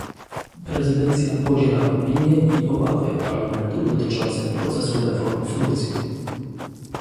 Prezydencja podziela opinie i obawy Parlamentu dotyczące procesu reform w Turcji